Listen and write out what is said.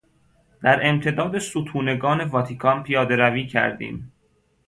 در امتداد ستونگان واتیکان پیادهروی کردیم.